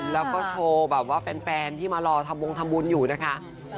แล้วก็โชว์แบบว่าแฟนที่มารอทำวงทำบุญอยู่นะคะ